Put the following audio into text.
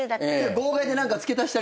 号外で何か付け足したりとか？